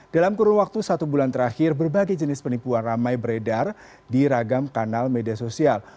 dalam kurun waktu satu bulan terakhir berbagai jenis penipuan ramai beredar di ragam kanal media sosial